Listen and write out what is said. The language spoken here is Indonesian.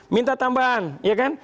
minta tambahan ya kan